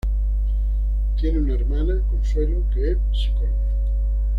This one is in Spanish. Tiene una hermana, Consuelo, que es psicóloga.